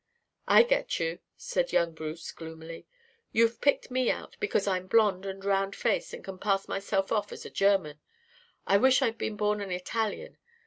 "I get you," said young Bruce gloomily. "You've picked me out because I'm blond and round faced and can pass myself off as a German. I wish I'd been born an Italian.